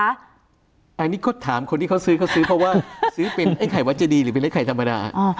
อันนี้ก็ถามคนที่เขาซื้อเขาซื้อเพราะว่าซื้อเป็นไอ้ไข่วัดเจดีหรือเป็นไอไข่ธรรมดา